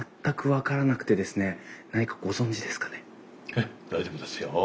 ええ大丈夫ですよ。